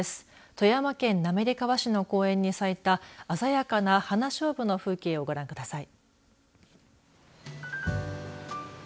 富山県滑川市の公園に咲いた鮮やかな花しょうぶの風景をご覧ください。